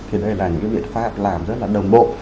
thì đây là những biện pháp làm rất là đồng bộ